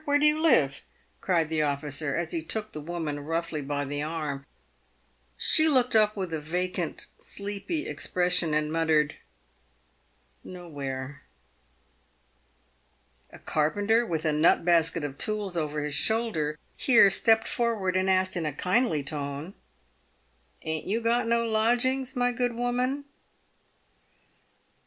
"Where do you live ?" cried the officer, as he took the woman roughly by the arm. She looked up with a vacant, sleepy expression, and muttered, " Nowhere." A carpenter, with a. nut basket of tools over his shoulder, here stepped forward, and asked, in a kindly tone, " Ain't you got no lodgings, my good woman